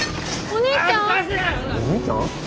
お兄ちゃん？